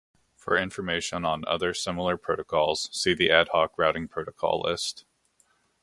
For information on other similar protocols, see the ad hoc routing protocol list.